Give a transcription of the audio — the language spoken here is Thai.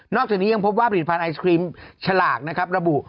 อกจากนี้ยังพบว่าผลิตภัณฑ์ไอศครีมฉลากนะครับระบุ